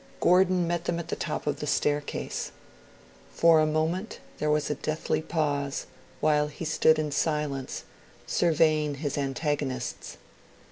Gordon met them at the top of the staircase. For a moment, there was a deathly pause, while he stood in silence, surveying his antagonists.